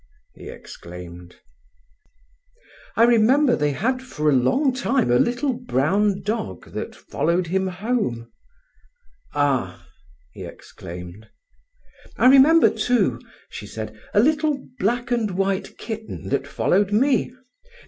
he exclaimed. "I remember they had for a long time a little brown dog that followed him home." "Ah!" he exclaimed. "I remember, too," she said, "a little black and white kitten that followed me.